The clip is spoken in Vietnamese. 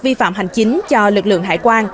vi phạm hành chính cho lực lượng hải quan